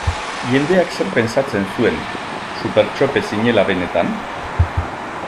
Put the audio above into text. Jendeak zer pentsatzen zuen, Supertxope zinela benetan?